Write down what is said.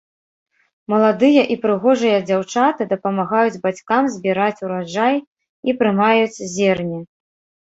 Маладыя і прыгожыя дзяўчаты дапамагаюць бацькам збіраць ураджай і прымаюць зерне.